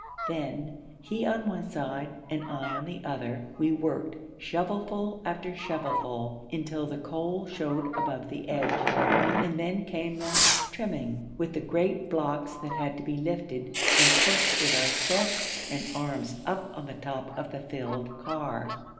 Then, he on one side and I on the other, we worked, shovelful after shovelful, until the coal showed above the edge. And then came the 'trimming' with the great blocks that had to be lifted and pushed with our chests and arms up on the top of the filled car.